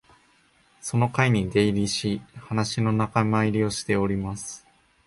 その会に出入りし、話の仲間入りをしております